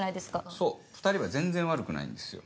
そう２人は全然悪くないんですよ。